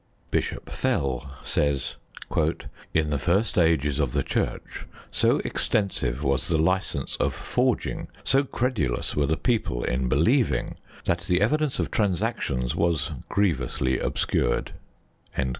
Bishop Fell says: In the first ages of the Church, so extensive was the licence of forging, so credulous were the people in believing, that the evidence of transactions was grievously obscured.